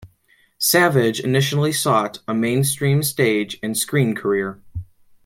Savage initially sought a mainstream stage and screen career.